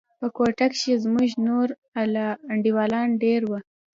په کوټه کښې زموږ نور انډيوالان دېره وو.